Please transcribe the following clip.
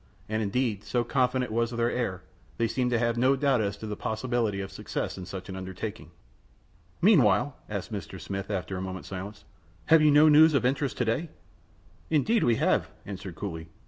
And indeed, so confident was their air, they seemed to have no doubt as to the possibility of success in such an undertaking. "Meanwhile," asked Mr. Smith, after a moment's silence, "have you no news of interest to day?" "Indeed we have," answered Cooley.